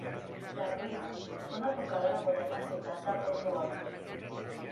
Les ruïnes són a tocar de la moderna ciutat de Pozzuoli.